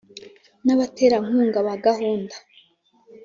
N abaterankunga ba gahunda